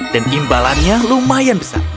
dan imbalannya lumayan besar